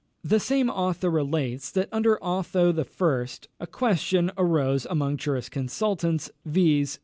The same author relates that, under Otho I., a question arose among jurisconsults, viz.